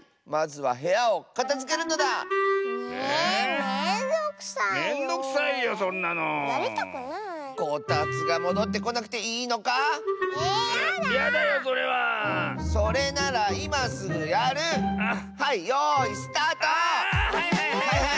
はいはいはい。